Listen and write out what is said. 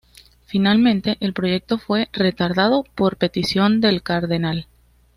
Finalmente, el proyecto fue retardado por petición del cardenal.